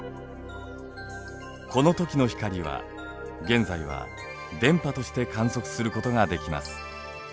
このときの光は現在は電波として観測することができます。